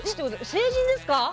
成人ですか？